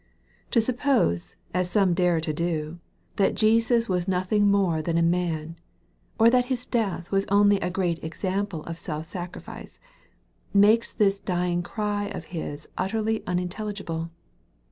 To suppose, as some dare to do, that Jesus was nothing more than a man, or that His death was only a great example of self sacrifice, makes this dying cry of His utterly unintelligible.